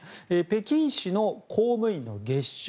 北京市の公務員の月収